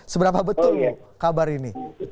seberapa betul kabar ini